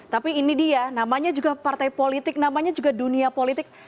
tapi ini dia namanya juga partai politik namanya juga dunia politik